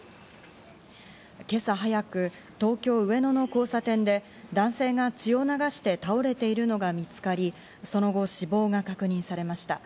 今朝早く、東京・上野の交差点で男性が血を流して倒れているのが見つかり、その後、死亡が確認されました。